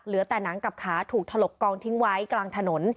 แต่หนังกับขาถูกถลกกองทิ้งไว้กลางถนน